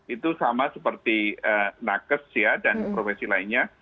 itu sama seperti nakas dan profesi lainnya